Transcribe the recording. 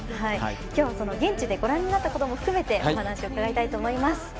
今日はその現地でご覧になったことも含めてお話を伺いたいと思います。